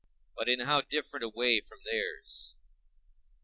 But in how different a way from theirs!